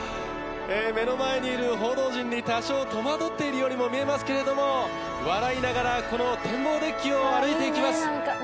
目の前にいる報道陣に多少戸惑っているようにも見えますけれども笑いながらこの天望デッキを歩いていきます